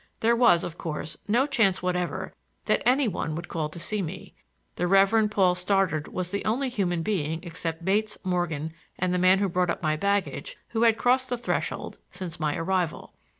There was, of course, no chance whatever that any one would call to see me; the Reverend Paul Stoddard was the only human being, except Bates, Morgan and the man who brought up my baggage, who had crossed the threshold since my arrival.